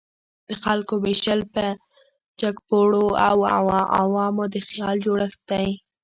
د خلکو ویشل په جګپوړو او عوامو د خیال جوړښت دی.